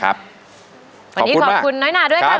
วันนี้ขอบคุณน้อยหนาด้วยครับ